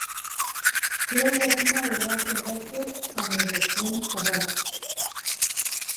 Creu llatina de braços rectes amb els extrems carrats.